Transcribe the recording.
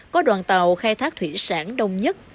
có đoàn tàu khai thác thủy sản đông nhất